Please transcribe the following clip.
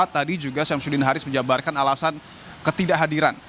tadi juga syamsuddin haris menjabarkan alasan ketidakhadiran